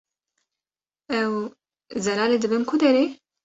Ew, Zelalê dibin ku derê?